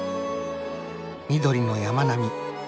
緑の山並み。